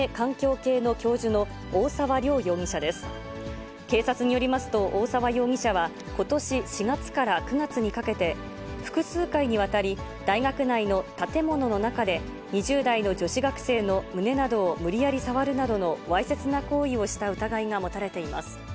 警察によりますと、大沢容疑者はことし４月から９月にかけて、複数回にわたり、大学内の建物の中で、２０代の女子学生の胸などを無理やり触るなどのわいせつな行為をした疑いが持たれています。